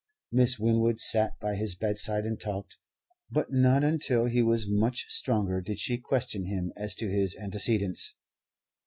Miss Winwood sat by his bedside and talked; but not until he was much stronger did she question him as to his antecedents.